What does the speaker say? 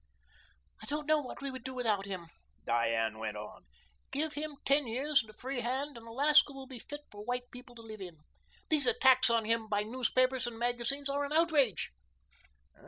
"I don't know what we would do without him," Diane went on. "Give him ten years and a free hand and Alaska will be fit for white people to live in. These attacks on him by newspapers and magazines are an outrage."